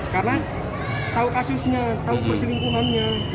karena tahu kasusnya tahu perselingkuhannya